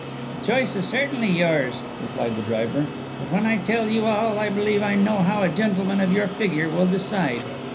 "The choice is certainly yours," replied the driver; "but when I tell you all, I believe I know how a gentleman of your figure will decide.